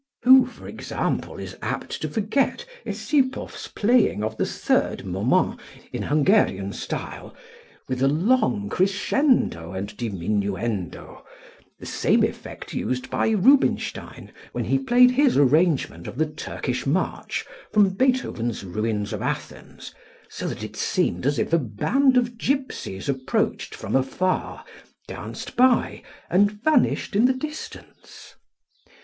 Who, for example, is apt to forget Essipoff's playing of the third "Moment" in Hungarian style, with a long crescendo and diminuendo (the same effect used by Rubinstein, when he played his arrangement of the "Turkish March" from Beethoven's "Ruins of Athens"), so that it seemed as if a band of gypsies approached from afar, danced by, and vanished in the distance?